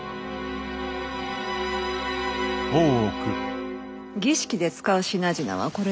儀式で使う品々はこれでよい。